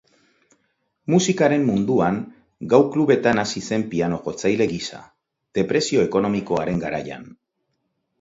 Musikaren munduan gau-klubetan hasi zen piano-jotzaile gisa, depresio ekonomikoaren garaian.